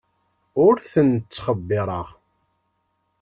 Ur ten-ttxebbireɣ.